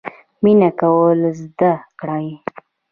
مینه کول زده کړئ